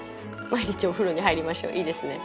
「毎日おふろに入りましょう」いいですね。